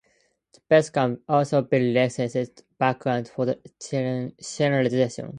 The piece can also be recessed backward for a chin reduction.